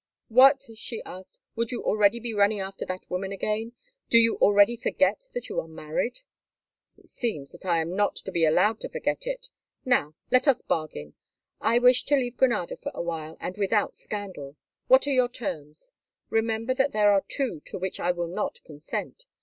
"What," she asked, "would you already be running after that woman again? Do you already forget that you are married?" "It seems that I am not to be allowed to forget it. Now, let us bargain. I wish to leave Granada for a while, and without scandal. What are your terms? Remember that there are two to which I will not consent.